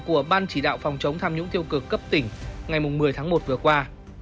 chỉ đạo phòng chống tham nhũng tiêu cực cấp tỉnh ngày một mươi tháng một vừa qua